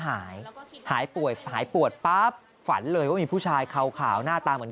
หายหายป่วยหายปวดปั๊บฝันเลยว่ามีผู้ชายขาวหน้าตาเหมือน